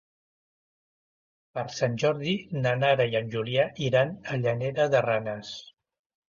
Per Sant Jordi na Nara i en Julià iran a Llanera de Ranes.